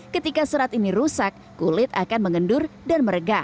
ketika serat ini rusak kulit akan mengendur dan meregang